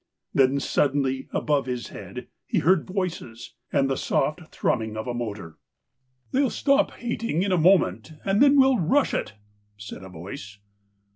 Then suddenly above his head he heard voices, and the soft thrumming of a motor. 128 THE COWARD " They'll stop hating in a moment and then we'll rush it," said a voice.